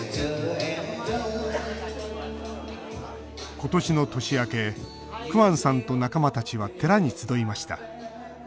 今年の年明けクアンさんと仲間たちは寺に集いました。